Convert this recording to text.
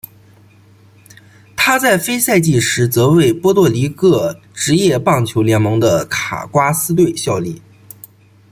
他在非赛季时则为波多黎各职业棒球联盟的卡瓜斯队效力。